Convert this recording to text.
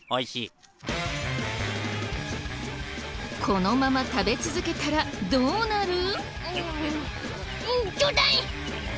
このまま食べ続けたらどうなる？